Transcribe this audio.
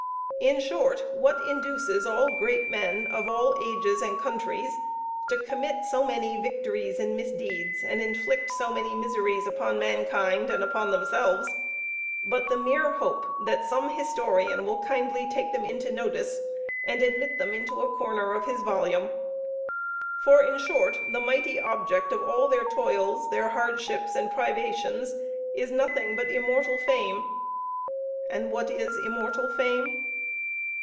In short, what induces all great men, of all ages and countries, to commit so many victories and misdeeds, and inflict so many miseries upon mankind and upon themselves, but the mere hope that some historian will kindly take them into notice, and admit them into a corner of his volume? For, in short, the mighty object of all their toils, their hardships, and privations, is nothing but immortal fame. And what is immortal fame?